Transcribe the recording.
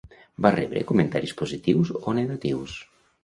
Va rebre comentaris positius o negatius?